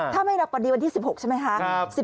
ถ้าไม่รับประดิษฐ์วันที่๑๖ใช่ไหมคะ